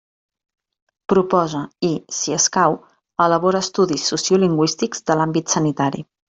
Proposa i, si escau, elabora estudis sociolingüístics de l'àmbit sanitari.